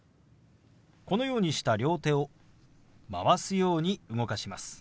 このようにした両手を回すように動かします。